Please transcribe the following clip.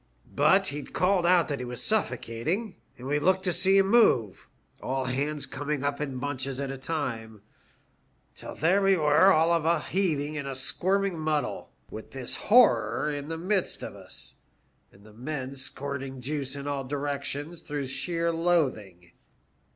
But he'd called out that he was suffocating, and we looked to see him move, a]l hands coming up in bunches at a time, till there we were all of a heaving and squirming muddle, with this horror in the midst of us, and the men squirting juice in all directions through sheer loathing.